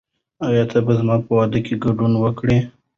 آیا ته به زما په واده کې ګډون وکړې؟